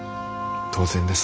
当然です。